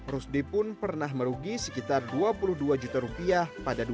rusdi pun pernah merugi sekitar dua juta rupiah